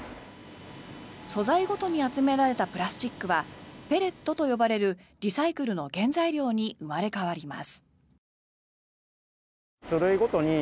素材ごとに集められたプラスチックはペレットと呼ばれるリサイクルの原材料に生まれ変わります。